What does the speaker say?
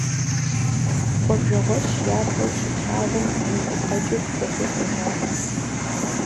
Гъуэбжэгъуэщ япэу щыплъагъум уигу къэкӀыр къохъулӀэ, жаӀэрт.